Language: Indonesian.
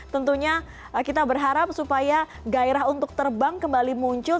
tentunya kita berharap supaya gairah untuk terbang kembali muncul